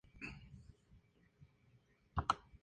Una aproximación a la historia de la fotografía en Salamanca".